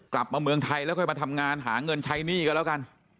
กลับมาเมืองไทยแล้วค่อยมาทำงานหาเงินใช้หนี้กันแล้วกัน